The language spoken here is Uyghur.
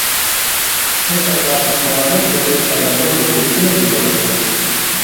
ئۇ چاغدا مۇسۇلمانلارنىڭ كۆپى سايلامنىڭ نېمىلىكىنى بىلمەيتتى.